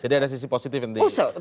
jadi ada sisi positif yang diinginkan